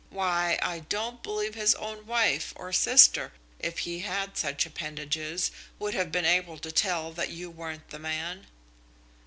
Why, I don't believe his own wife or sister, if he had such appendages, would have been able to tell that you weren't the man."